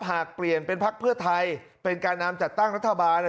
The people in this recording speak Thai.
หากเปลี่ยนเป็นพักเพื่อไทยเป็นการนำจัดตั้งรัฐบาล